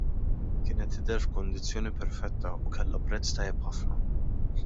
Kienet tidher f'kondizzjoni perfetta u kellha prezz tajjeb ħafna.